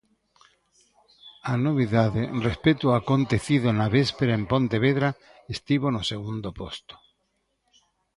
A novidade respecto ao acontecido na véspera en Pontevedra estivo no segundo posto.